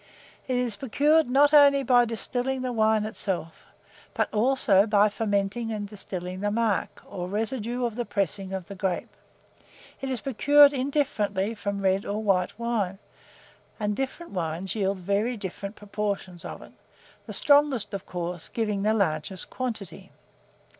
It is procured not only by distilling the wine itself, but also by fermenting and distilling the marc, or residue of the pressings of the grape. It is procured indifferently from red or white wine, and different wines yield very different proportions of it, the strongest, of course, giving the largest quantity.